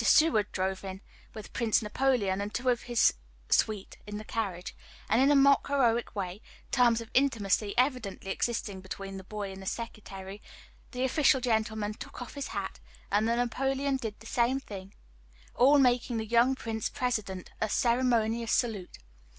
Seward drove in, with Prince Napoleon and two of his suite in the carriage; and, in a mock heroic way terms of intimacy evidently existing between the boy and the Secretary the official gentleman took off his hat, and the Napoleon did the same, all making the young Prince President a ceremonious salute.